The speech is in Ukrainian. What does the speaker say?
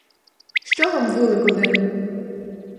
Що вам вулик один?